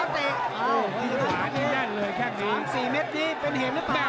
ต้องแค่ขวาเตะ